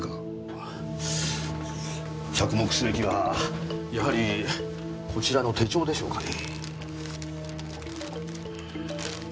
着目すべきはやはりこちらの手帳でしょうかね。